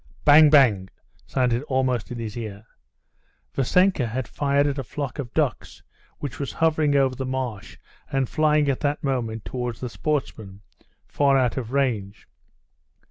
"Bang! bang!" sounded almost in his ear. Vassenka had fired at a flock of ducks which was hovering over the marsh and flying at that moment towards the sportsmen, far out of range.